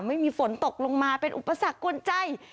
ไม่มีฝนตกลงมาเป็นอุปสรรคกวนใจ